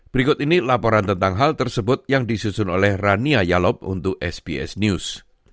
berikut ini laporan tentang hal tersebut yang disusun oleh rania yalop untuk sbs news